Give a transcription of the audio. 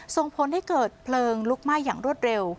ส่งผลให้เกิดเพลิงลุกไหม้อย่างรวดเร็ว